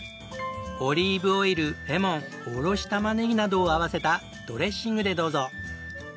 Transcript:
オリーブオイルレモンおろし玉ネギなどを合わせたドレッシングでどうぞ。